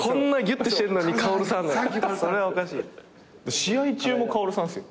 試合中も「薫さん」っすよ。